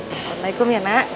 assalamualaikum ya nak